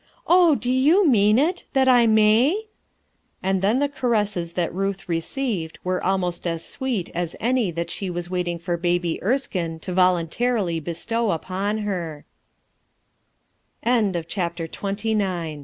Oh! do you mean it? that I may ?" And then the caresses that Ruth received were almost as sweet as any that she was waiting for Baby Erskine to voluntarily bestow upo